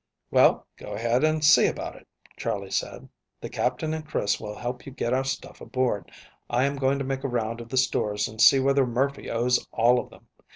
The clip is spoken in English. "Well, go ahead, and see about it," Charley said. "The Captain and Chris will help you get our stuff aboard. I am going to make a round of the stores and see whether Murphy owes all of them.